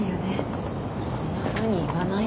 そんなふうに言わないで。